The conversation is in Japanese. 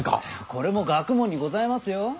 これも学問にございますよ。